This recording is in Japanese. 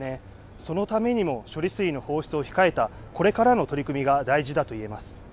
そのためにも処理水の放出を控えたこれからの取り組みが大事だといえます。